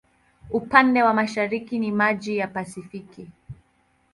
Upande wa mashariki ni maji ya Pasifiki.